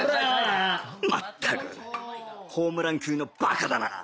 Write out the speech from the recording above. まったくホームラン級の馬鹿だな！